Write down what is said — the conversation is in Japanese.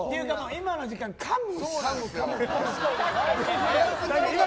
今の時間、かむ。